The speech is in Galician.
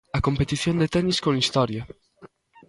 A competición de tenis con historia.